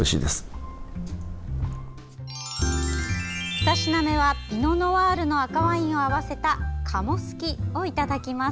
２品目はピノ・ノワールの赤ワインを合わせた鴨好きをいただきます。